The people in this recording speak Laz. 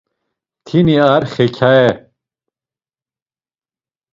Mtini ar xekaye.